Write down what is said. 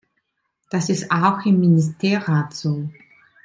Das ist auch im Ministerrat so.